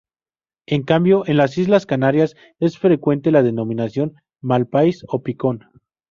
En cambio, en las islas Canarias es frecuente la denominación "malpaís" o "picón".